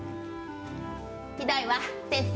ひどいわ先生。